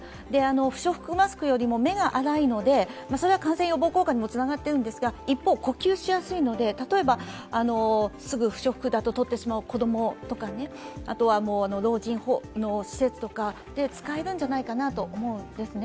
不織布マスクよりも目が粗いので感染予防効果にもつながっているんですが一方、呼吸しやすいので、例えばすぐ不織布だととってしまう子供とか老人の施設とかで使えるんじゃないかなと思うんですね。